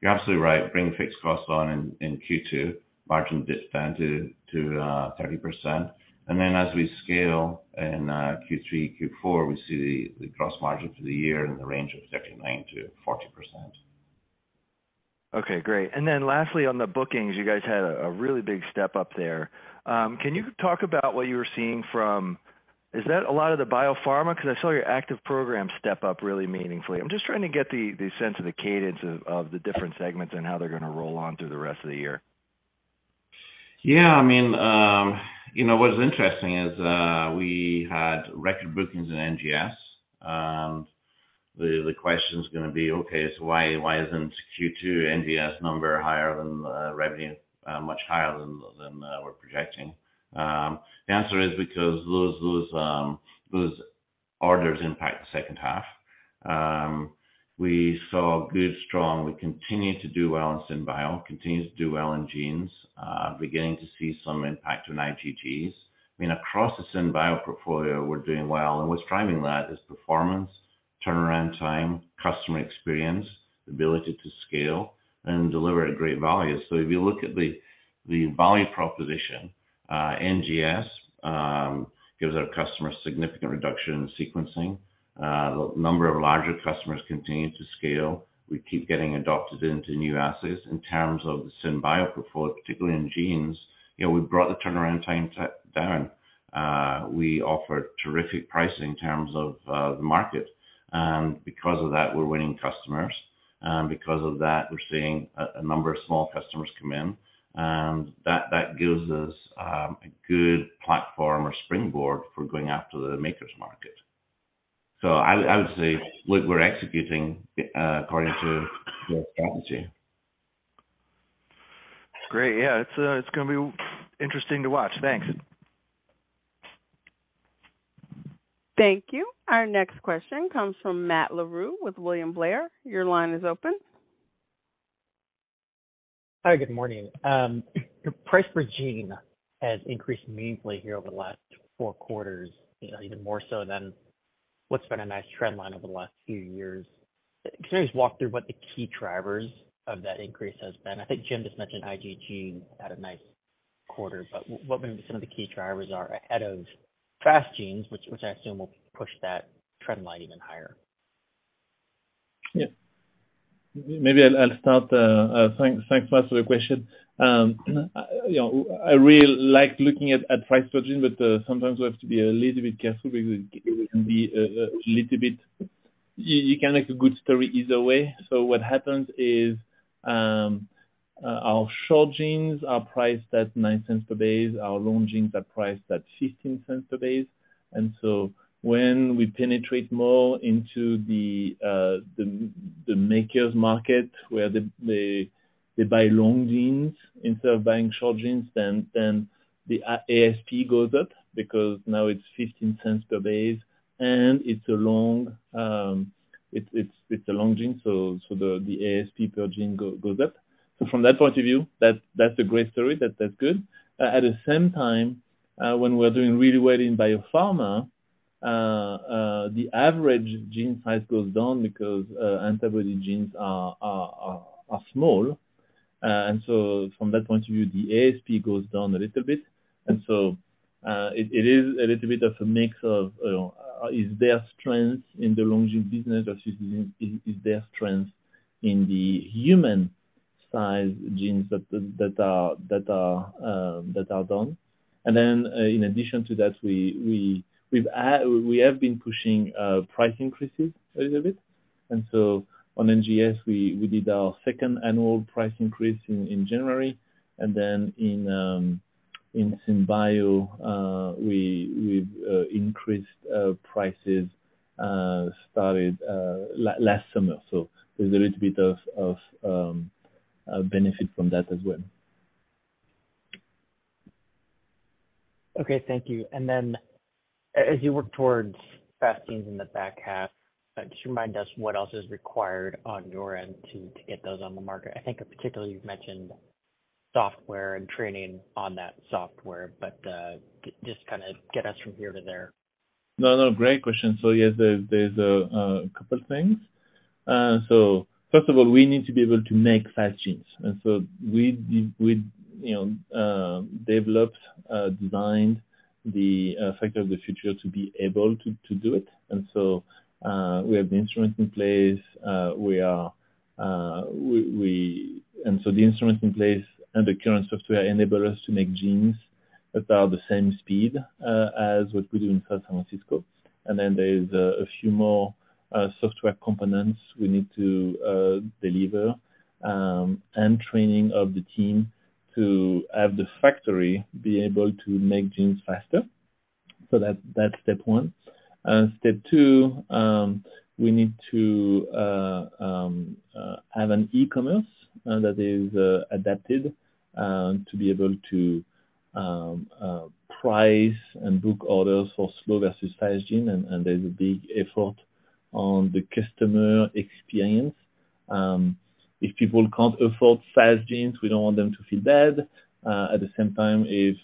S4: You're absolutely right. Bringing fixed costs on in Q2, margin did down to 30%. As we scale in, Q3, Q4, we see the gross margin for the year in the range of 39%-40%.
S8: Okay, great. Lastly, on the bookings, you guys had a really big step up there. Can you talk about what you were seeing from? Is that a lot of the biopharma, 'cause I saw your active program step up really meaningfully? I'm just trying to get the sense of the cadence of the different segments and how they're gonna roll on through the rest of the year.
S4: What is interesting is, we had record bookings in NGS. The question's gonna be, okay, why isn't Q2 NGS number higher than revenue much higher than we're projecting? The answer is because those orders impact the second half. We saw good, strong. We continue to do well in SynBio, continues to do well in genes, beginning to see some impact on IGGs. Across the SynBio portfolio, we're doing well, and what's driving that is performance, turnaround time, customer experience, ability to scale and deliver a great value. If you look at the value proposition, NGS gives our customers significant reduction in sequencing. The number of larger customers continue to scale. We keep getting adopted into new assets. In terms of the SynBio portfolio, particularly in genes, you know, we've brought the turnaround time down. We offer terrific pricing in terms of the market. Because of that, we're winning customers. Because of that, we're seeing a number of small customers come in, and that gives us a good platform or springboard for going after the makers market. I would say we're executing according to the strategy.
S8: That's great. Yeah. It's gonna be interesting to watch. Thanks.
S1: Thank you. Our next question comes from Matt Larew with William Blair. Your line is open.
S9: Hi, good morning. Your price per gene has increased meaningfully here over the last four quarters, you know, even more so than what's been a nice trend line over the last few years. Can you just walk through what the key drivers of that increase has been? I think Jim just mentioned IgG had a nice quarter, but what maybe some of the key drivers are ahead of Fast Genes, which I assume will push that trend line even higher.
S3: Yeah. Maybe I'll start, thanks, Matt, for the question. You know, I really like looking at price per gene, but sometimes we have to be a little bit careful because it can be a little bit. You can make a good story either way. What happens is, our short genes are priced at $0.09 per base, our long genes are priced at $0.15 per base. When we penetrate more into the DNA makers market where they buy long genes instead of buying short genes, then the ASP goes up because now it's $0.15 per base and it's a long, it's a long gene, so the ASP per gene goes up. From that point of view, that's a great story. That's good. At the same time, when we're doing really well in biopharma, the average gene size goes down because antibody genes are small. From that point of view, the ASP goes down a little bit. It is a little bit of a mix of, you know, is there strength in the long gene business or is there strength in the human size genes that are done. In addition to that, we have been pushing price increases a little bit. On NGS, we did our second annual price increase in January. In SynBio, we've increased prices started last summer. There's a little bit of benefit from that as well.
S9: Okay, thank you. As you work towards Fast Genes in the back half, just remind us what else is required on your end to get those on the market? I think particularly you've mentioned software and training on that software, but just kinda get us from here to there.
S3: No, no, great question. Yes, there's a couple things. First of all, we need to be able to make Fast Genes. We, you know, developed, designed the Factory of the Future to be able to do it. We have the instruments in place. The instruments in place and the current software enable us to make genes about the same speed as what we do in San Francisco. There's a few more software components we need to deliver and training of the team to have the Factory be able to make genes faster. That's step one. step two, we need to have an e-commerce that is adapted to be able to price and book orders for slow versus Fast Genes. There's a big effort on the customer experience. If people can't afford Fast Genes, we don't want them to feel bad. At the same time, if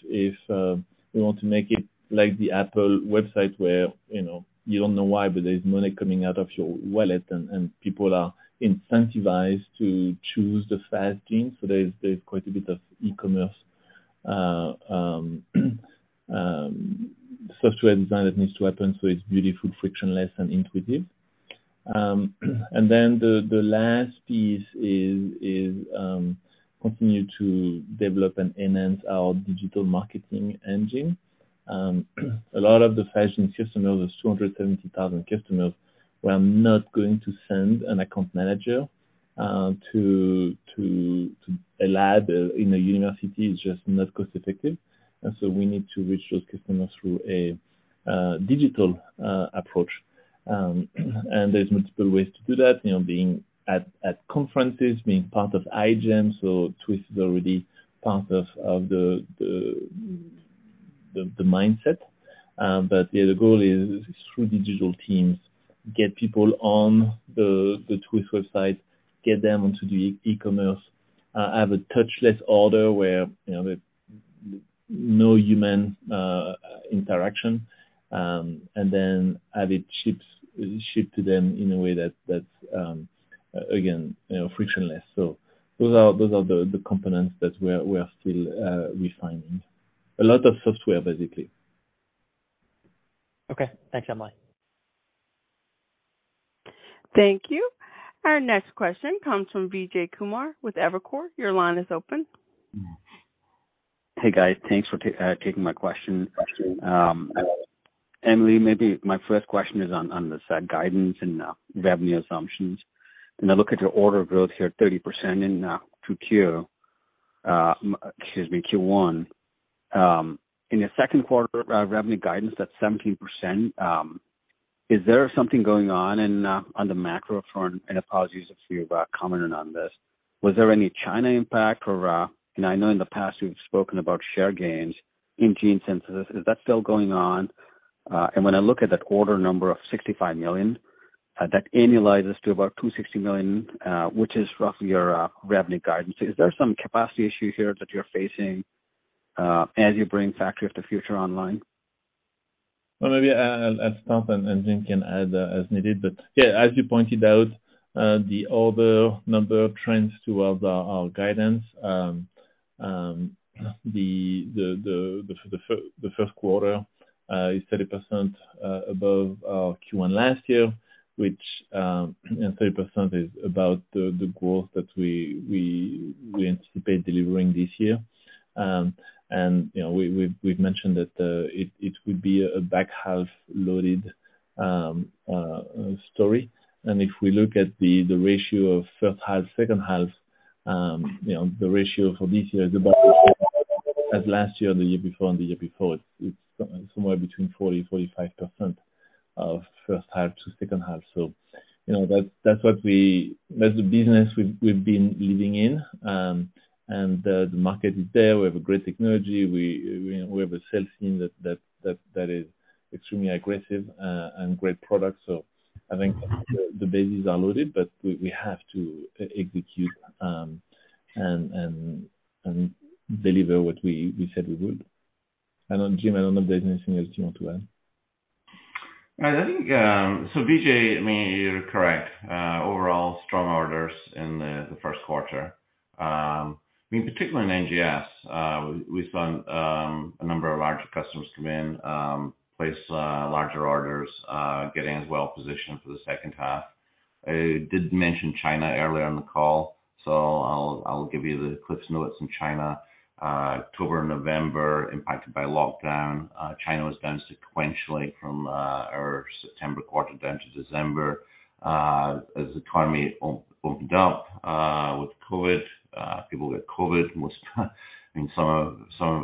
S3: we want to make it like the Apple website where, you know, you don't know why, but there's money coming out of your wallet and people are incentivized to choose the Fast Genes. There's quite a bit of e-commerce software design that needs to happen, so it's beautiful, frictionless, and intuitive. The last piece is continue to develop and enhance our digital marketing engine. A lot of the Fast Genes customers, those 270,000 customers, we are not going to send an account manager to a lab in a university. It's just not cost effective. We need to reach those customers through a digital approach. There's multiple ways to do that, you know, being at conferences, being part of iGEM, so Twist is already part of the mindset. The goal is through digital teams, get people on the Twist website, get them onto the e-commerce, have a touchless order where, you know, there's no human interaction, then have it ship to them in a way that, again, you know, frictionless. Those are the components that we are still refining. A lot of software, basically.
S9: Okay. Thanks, Emily.
S1: Thank you. Our next question comes from Vijay Kumar with Evercore. Your line is open.
S10: Hey, guys. Thanks for taking my question. Emily, maybe my first question is on the set guidance and revenue assumptions. When I look at your order growth here, 30% in 2Q, excuse me, Q1. In the second quarter, revenue guidance, that's 17%. Is there something going on on the macro front? Apologies if you've commented on this. Was there any China impact or? I know in the past you've spoken about share gains in gene synthesis. Is that still going on? When I look at that order number of $65 million, that annualizes to about $260 million, which is roughly your revenue guidance. Is there some capacity issue here that you're facing as you bring Factory of the Future online?
S3: Well, maybe I'll start and Jim can add as needed. Yeah, as you pointed out, the order number trends towards our guidance. The first quarter is 30% above our Q1 last year, which, and 30% is about the growth that we anticipate delivering this year. You know, we've mentioned that it would be a back-half loaded story. If we look at the ratio of first half, second half, you know, the ratio for this year is about the same as last year and the year before. It's somewhere between 40-45% of first half to second half. You know, that's what we... That's the business we've been leading in. The market is there. We have a great technology. We have a sales team that is extremely aggressive, and great products. I think the bases are loaded, but we have to execute, and deliver what we said we would. I don't know, Jim, I don't know if there's anything else you want to add.
S4: I think, Vijay, I mean, you're correct, overall strong orders in the first quarter. I mean, particularly in NGS, we've done a number of larger customers come in, place larger orders, getting us well-positioned for the second half. I did mention China earlier on the call, I'll give you the CliffsNotes on China. October, November impacted by lockdown. China was down sequentially from our September quarter down to December. As the economy opened up, with COVID, people got COVID most and some of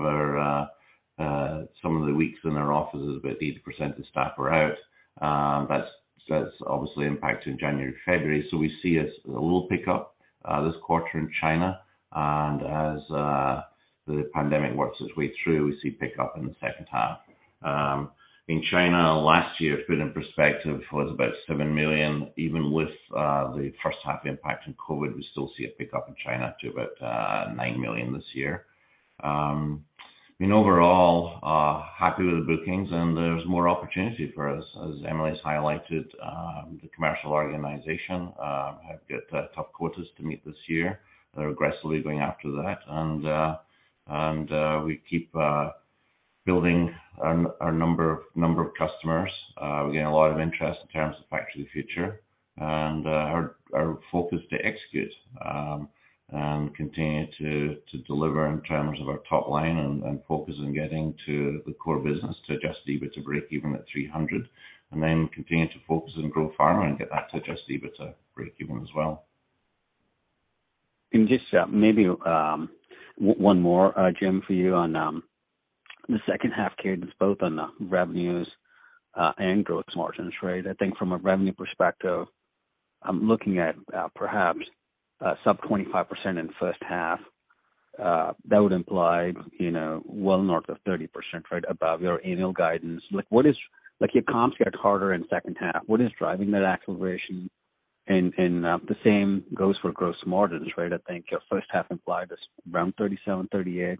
S4: our some of the weeks in our offices, about 80% of staff were out. That's obviously impacted in January, February. We see a little pickup this quarter in China. As the pandemic works its way through, we see pickup in the second half. In China last year, put in perspective, it was about $7 million. Even with the first half impact of COVID, we still see a pickup in China to about $9 million this year. I mean, overall, happy with the bookings, and there's more opportunity for us. As Emily has highlighted, the commercial organization have got tough quarters to meet this year. They're aggressively going after that. And we keep building our number of customers. We're getting a lot of interest in terms of Factory of the Future and our focus to execute and continue to deliver in terms of our top line and focus on getting to the core business to adjusted EBITDA breakeven at $300. Continuing to focus on growth pharma and get that to adjusted EBITDA breakeven as well.
S10: Just maybe one more, Jim, for you on the second half cadence, both on the revenues and gross margins, right? I think from a revenue perspective, I'm looking at perhaps sub 25% in the first half. That would imply, you know, well north of 30%, right, above your annual guidance. Your comps get harder in second half. What is driving that acceleration? The same goes for gross margins, right? I think your first half implied is around 37%, 38%.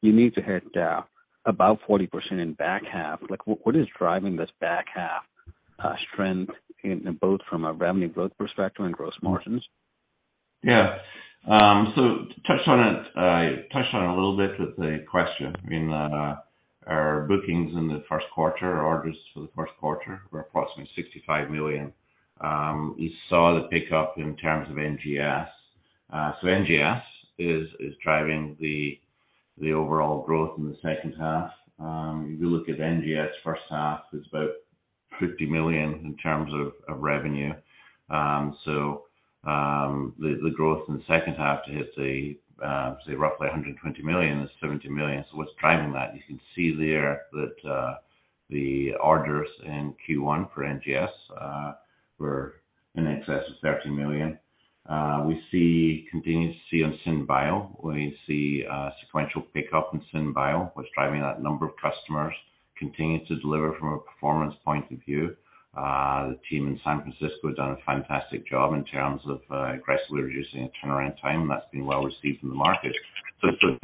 S10: You need to hit about 40% in back half. What is driving this back half strength in both from a revenue growth perspective and gross margins?
S4: Touched on it a little bit with the question. I mean, our bookings in the first quarter, orders for the first quarter were approximately $65 million. You saw the pickup in terms of NGS. NGS is driving the overall growth in the second half. If you look at NGS first half, it's about $50 million in terms of revenue. The growth in the second half to hit say roughly $120 million is $70 million. What's driving that? You can see there that the orders in Q1 for NGS were in excess of $13 million. We continue to see on SynBio, we see sequential pickup in SynBio. What's driving that? Number of customers continue to deliver from a performance point of view. The team in San Francisco have done a fantastic job in terms of aggressively reducing the turnaround time, and that's been well received in the market.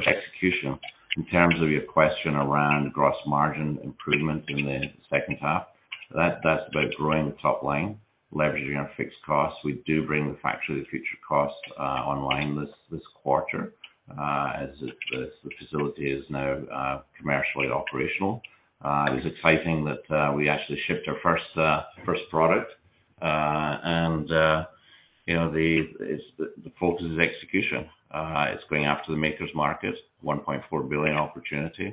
S4: Execution. In terms of your question around gross margin improvement in the second half, that's about growing the top line, leveraging our fixed costs. We do bring the Factory of the Future cost online this quarter as the facility is now commercially operational. It's exciting that we actually shipped our first product. You know, the focus is execution. It's going after the makers market, $1.4 billion opportunity.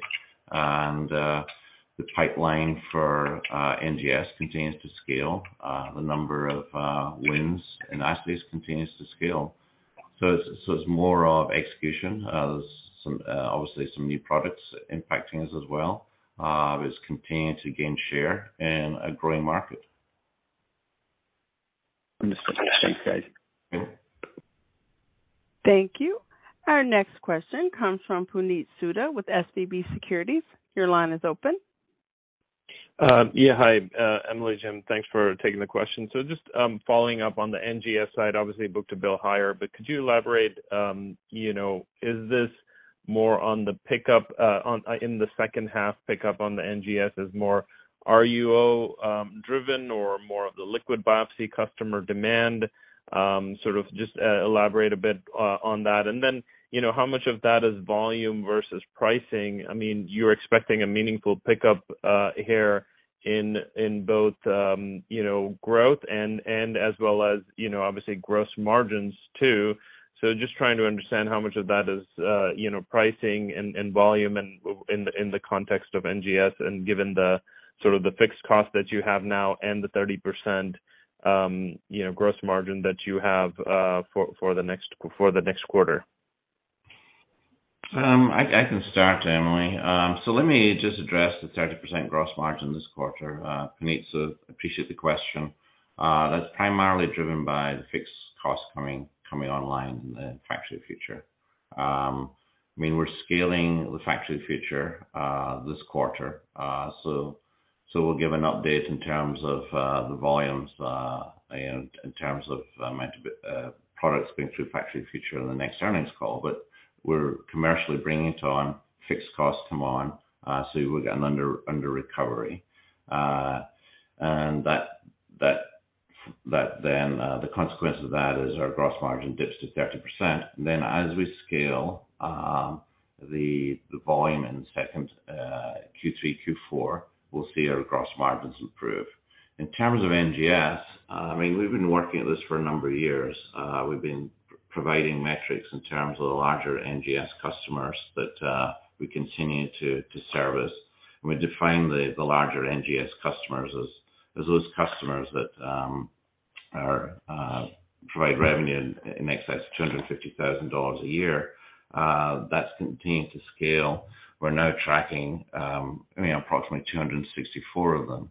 S4: The pipeline for NGS continues to scale. The number of wins in iSpace continues to scale. It's more of execution. There's some obviously some new products impacting us as well. It's continuing to gain share in a growing market.
S10: Understood. Thanks, guys.
S1: Thank you. Our next question comes from Puneet Souda with SVB Securities. Your line is open.
S11: Yeah, hi, Emily, Jim, thanks for taking the question. Just following up on the NGS side, obviously booked a bill higher, but could you elaborate, you know, is this more on the pickup, on, in the second half pickup on the NGS is more RUO driven or more of the liquid biopsy customer demand? Sort of just elaborate a bit on that. Then, you know, how much of that is volume versus pricing? I mean, you're expecting a meaningful pickup here in both, you know, growth and as well as you know, obviously gross margins too. Just trying to understand how much of that is, you know, pricing and volume in the context of NGS and given the sort of the fixed cost that you have now and the 30%, you know, gross margin that you have for the next quarter.
S4: I can start, Emily. Let me just address the 30% gross margin this quarter. Puneet, appreciate the question. That's primarily driven by the fixed costs coming online in the Factory of the Future. I mean, we're scaling the Factory of the Future this quarter. We'll give an update in terms of the volumes and in terms of amount of products going through Factory of the Future in the next earnings call. We're commercially bringing it on, fixed costs come on, so we've got an under recovery. That then the consequence of that is our gross margin dips to 30%. As we scale the volume in the second Q3, Q4, we'll see our gross margins improve. In terms of NGS, I mean, we've been working at this for a number of years. We've been providing metrics in terms of the larger NGS customers that we continue to service. We define the larger NGS customers as those customers that are provide revenue in excess of $250,000 a year. That's continuing to scale. We're now tracking, I mean, approximately 264 of them.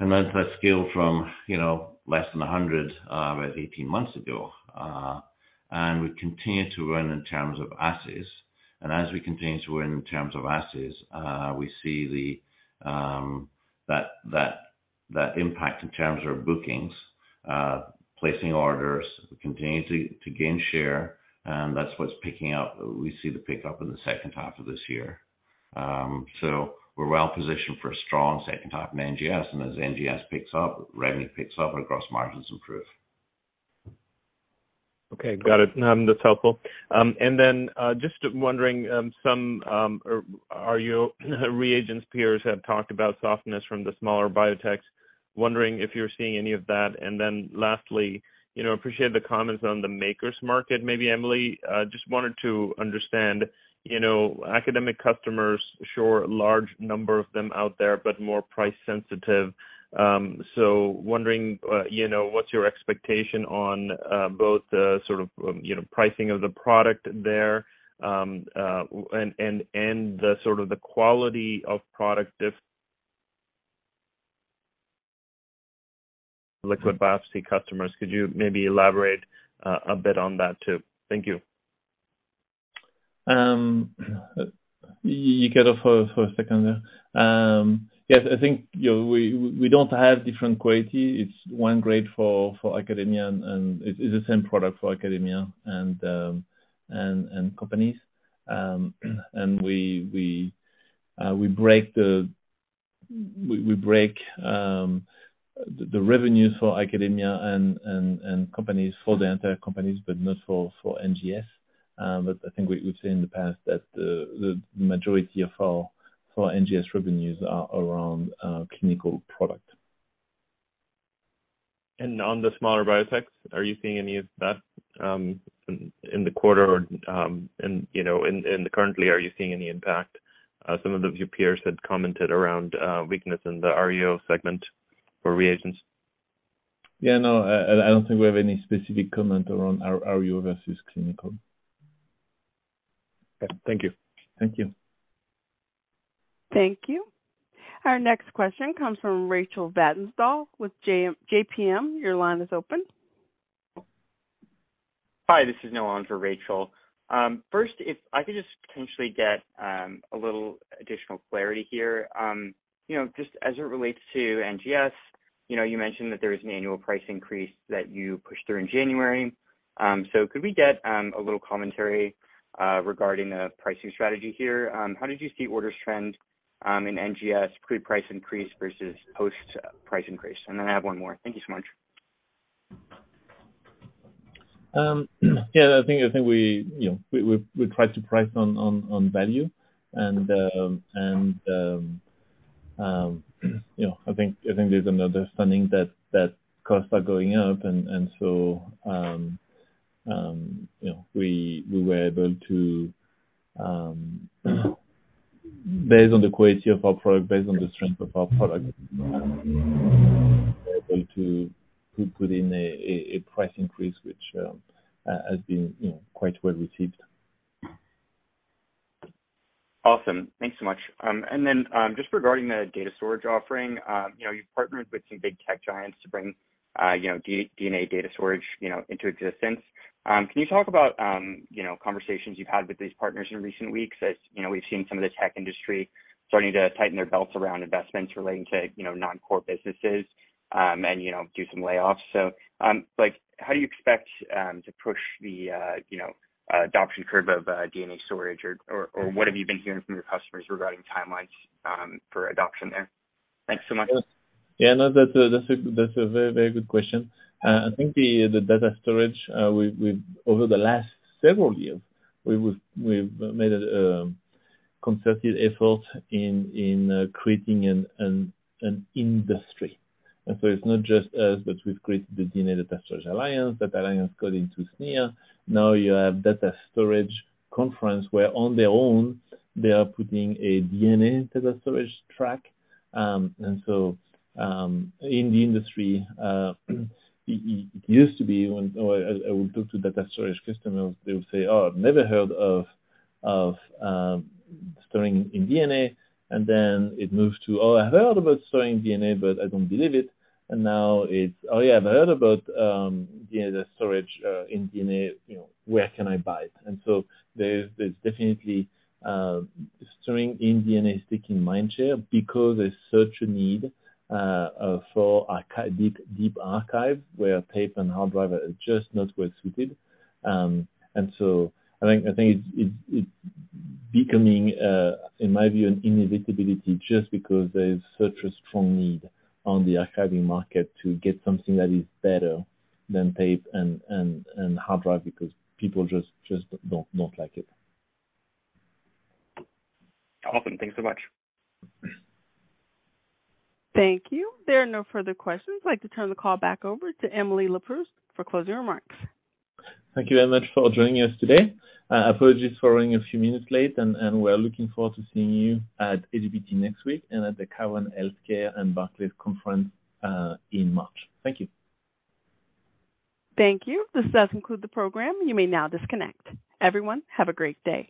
S4: That's, that's scaled from, you know, less than 100 about 18 months ago. We continue to win in terms of assays. As we continue to win in terms of assays, we see the that impact in terms of bookings, placing orders. We continue to gain share, and that's what's picking up. We see the pickup in the second half of this year. We're well positioned for a strong second half in NGS. As NGS picks up, revenue picks up and gross margins improve.
S11: Okay. Got it. That's helpful. Just wondering some or are you reagents peers have talked about softness from the smaller biotechs. Wondering if you're seeing any of that. Lastly, you know, appreciate the comments on the Makers Market. Maybe Emily, just wanted to understand, you know, academic customers, sure, large number of them out there, but more price sensitive. Wondering, you know, what's your expectation on both the sort of, you know, pricing of the product there, and the sort of the quality of product liquid biopsy customers. Could you maybe elaborate a bit on that too? Thank you.
S3: You cut off for a second there. Yes, I think, you know, we don't have different quality. It's one grade for academia and it's the same product for academia and companies. We break the revenues for academia and companies for the entire companies, but not for NGS. I think we've seen in the past that the majority of our NGS revenues are around clinical product.
S11: On the smaller biotechs, are you seeing any of that in the quarter or in, you know, currently, are you seeing any impact? Some of your peers had commented around weakness in the RUO segment for reagents.
S3: Yeah, no, I don't think we have any specific comment around our RUO versus clinical.
S11: Okay. Thank you.
S3: Thank you.
S1: Thank you. Our next question comes from Rachel Vatnsdal with JPMorgan. Your line is open.
S12: Hi, this is Noah in for Rachel. First, if I could just potentially get a little additional clarity here. You know, just as it relates to NGS, you know, you mentioned that there is an annual price increase that you pushed through in January. Could we get a little commentary regarding a pricing strategy here? How did you see orders trend in NGS pre-price increase versus post price increase? I have one more. Thank you so much.
S3: Yeah, I think we, you know, we try to price on value. You know, I think there's an understanding that costs are going up. You know, Based on the quality of our product, based on the strength of our product, we're able to put in a price increase which has been, you know, quite well received.
S12: Awesome. Thanks so much. Just regarding the DNA data storage offering, you know, you've partnered with some big tech giants to bring, you know, DNA data storage, you know, into existence. Can you talk about, you know, conversations you've had with these partners in recent weeks as, you know, we've seen some of the tech industry starting to tighten their belts around investments relating to, you know, non-core businesses, and, you know, do some layoffs. Like how do you expect to push the, you know, adoption curve of DNA storage or what have you been hearing from your customers regarding timelines, for adoption there? Thanks so much.
S3: Yeah, no, that's a very, very good question. I think the data storage, we've over the last several years, we've made a concerted effort in creating an industry. It's not just us, but we've created the DNA Data Storage Alliance. That alliance got into SNIA. Now you have data storage conference where on their own they are putting a DNA data storage track. In the industry, it used to be when... I would talk to data storage customers, they would say, "Oh, I've never heard of storing in DNA." It moved to, "Oh, I heard about storing DNA, but I don't believe it." Now it's, "Oh yeah, I've heard about DNA storage in DNA, you know, where can I buy it?" There's definitely storing in DNA sticking mind share because there's such a need for archive, deep, deep archive where tape and hard drive are just not well suited. I think it's becoming in my view, an inevitability just because there's such a strong need on the archiving market to get something that is better than tape and hard drive because people just don't like it.
S12: Awesome. Thanks so much.
S1: Thank you. There are no further questions. I'd like to turn the call back over to Emily Leproust for closing remarks.
S3: Thank you very much for joining us today. Apologies for running a few minutes late, and we're looking forward to seeing you at AGBT next week and at the Cowen Healthcare and Barclays conference in March. Thank you.
S1: Thank you. This does conclude the program. You may now disconnect. Everyone, have a great day.